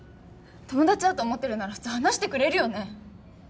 友達だと思ってるなら普通話してくれるよね？